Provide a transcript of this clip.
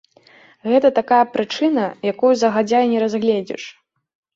Гэта такая прычына, якую загадзя і не разгледзіш.